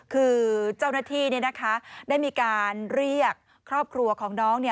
คือเจ้าหน้าที่ได้มีการเรียกครอบครัวของน้อง